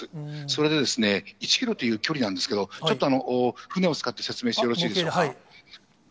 それで、１キロという距離なんですけど、ちょっと船を使って説明してよろしいでしょうか。